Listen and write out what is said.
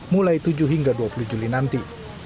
mulai tujuh hingga dua puluh juli nanti